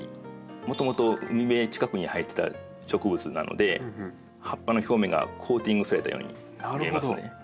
もともと海辺近くに生えてた植物なので葉っぱの表面がコーティングされたように見えますよね。